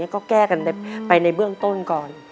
ก็แก้ไปในเรื่องต้นก่อน